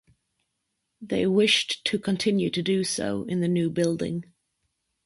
They wished to continue to do so in the new building.